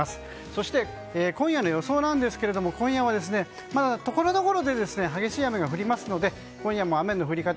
そして、今夜の予想ですがところどころで激しい雨が降りますので今夜も雨の降り方